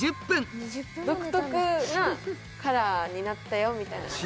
独特なカラーになったよみたいな。